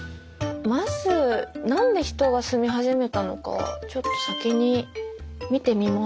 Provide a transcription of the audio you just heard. まず何で人が住み始めたのかちょっと先に見てみますか。